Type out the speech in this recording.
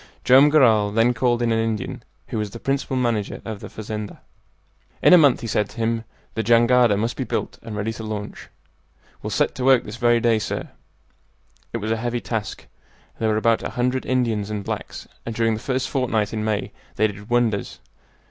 Joam Garral then called in an Indian who was the principal manager of the fazenda. "In a month," he said to him, "the jangada must be built and ready to launch." "We'll set to work this very day, sir." It was a heavy task. There were about a hundred Indians and blacks, and during the first fortnight in May they did wonders.